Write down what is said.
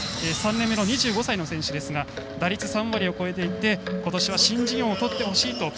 ３年目の２５歳の選手ですが打率３割を超えていてことしは新人王をとってほしいと。